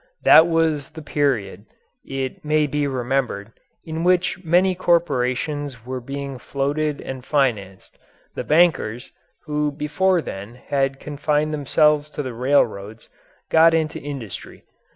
That was the period, it may be remembered, in which many corporations were being floated and financed. The bankers, who before then had confined themselves to the railroads, got into industry.